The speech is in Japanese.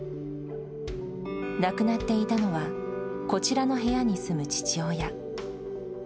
亡くなっていたのは、こちらの部屋に住む父親。